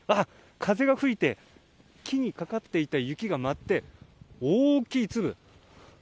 風が吹いて木にかかっていた雪が舞って大きい粒。